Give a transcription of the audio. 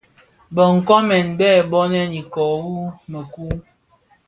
Bë nkoomèn bèn nbonèn iko bi mëku.